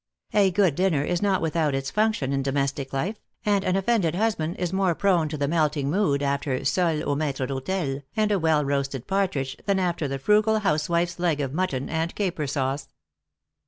A good dinner is not without its function in domestie life, and an offended husband is more prone to the melting mood after soles au maitre d'hotel and a well roasted partridge than after the frugal housewife's leg of mutton and caper sauce.